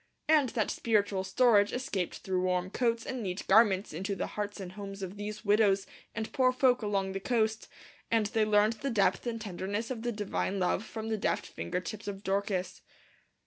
And that spiritual storage escaped through warm coats and neat garments into the hearts and homes of these widows and poor folk along the coast, and they learned the depth and tenderness of the divine love from the deft finger tips of Dorcas.